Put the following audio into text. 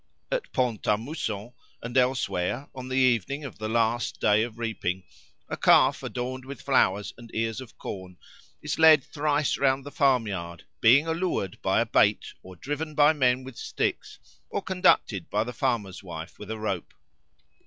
At Pont à Mousson and elsewhere on the evening of the last day of reaping, a calf adorned with flowers and ears of corn is led thrice round the farmyard, being allured by a bait or driven by men with sticks, or conducted by the farmer's wife with a rope.